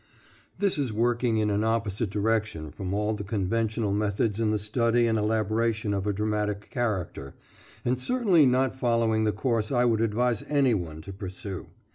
This is working in an opposite direction from all the conventional methods in the study and elaboration of a dramatic character, and certainly not following the course I would advise any one to pursue.